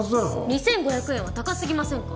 ２，５００円は高すぎませんか？